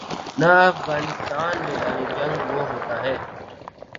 نہ افغانستان میدان جنگ وہ ہوتا ہے۔